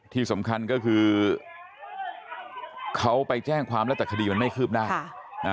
ที่สำคัญก็คือเขาไปแจ้งความแล้วแต่คดีมันไม่คืบหน้า